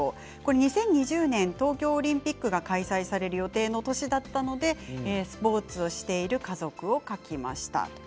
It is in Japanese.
２０２０年、東京オリンピックが開催される予定があった年だったのでスポーツをしている家族を描きました。